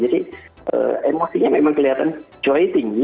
jadi emosinya memang kelihatan joy tinggi